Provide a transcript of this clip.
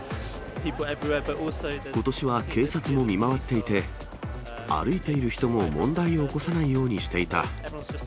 ことしは警察も見回っていて、歩いている人も問題を起こさないようにしていた。